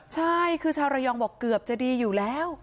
ใช่คือชาวระยองบอกเกือบจะดีอยู่แล้ว